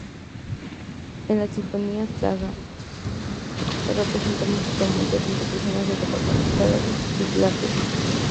En la "Sinfonía Saga" representa musicalmente a cinco personajes de las famosas sagas islandesas.